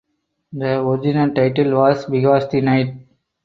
The original title was "Because the Night".